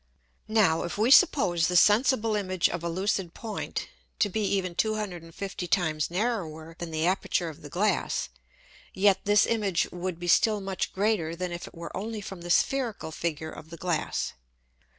Now, if we suppose the sensible Image of a lucid Point, to be even 250 times narrower than the Aperture of the Glass; yet this Image would be still much greater than if it were only from the spherical Figure of the Glass.